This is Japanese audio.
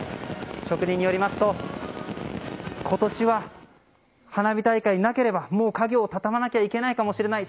職人によりますと今年は花火大会がなければ家業を畳まないといけないかもしれない。